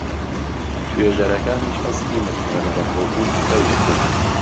توێژهرهکانیش ههستی متمانهبهخۆبوون پتهو دهکهن.